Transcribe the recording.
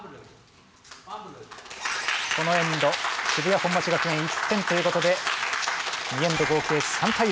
このエンド渋谷本町学園１点ということで２エンド合計３対０。